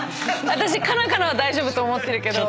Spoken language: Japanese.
私カナカナは大丈夫と思ってるけど。